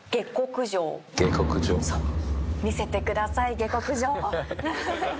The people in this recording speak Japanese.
見せてください下克上を。